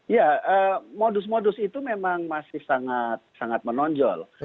ya modus modus itu memang masih sangat menonjol